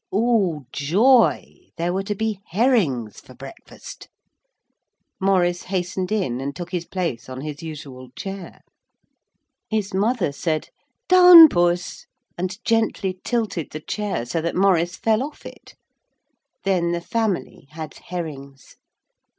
Oh, joy, there were to be herrings for breakfast! Maurice hastened in and took his place on his usual chair. His mother said, 'Down, puss,' and gently tilted the chair so that Maurice fell off it. Then the family had herrings.